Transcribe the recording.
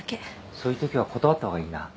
そういうときは断った方がいいな。